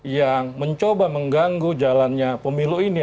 yang mencoba mengganggu jalannya pemilu ini